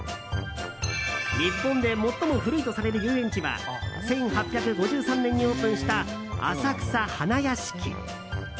日本で最も古いとされる遊園地は１８５３年にオープンした浅草花やしき。